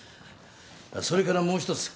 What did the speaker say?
それからもう一つ。